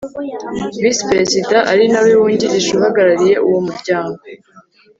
Visi Perezida ari na we wungirije Uhagarariye uwo muryango